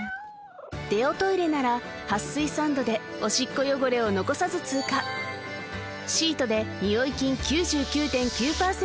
デオトイレなら撥水サンドでオシッコ汚れを残さず通過シートでニオイ菌９９．９％